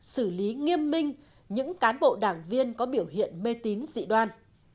xử lý nghiêm minh những cán bộ đảng viên có biểu hiện mê tín dị đoan